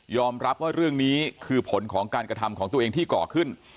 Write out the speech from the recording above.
รับว่าเรื่องนี้คือผลของการกระทำของตัวเองที่ก่อขึ้น